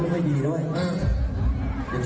ขอเสียบีบีเอ็กซ์ด้วยครับหรอ